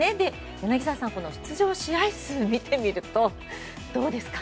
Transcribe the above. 柳澤さん、出場試合数を見てみるとどうですか。